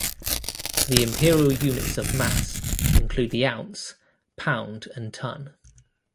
The Imperial units of mass include the ounce, pound, and ton.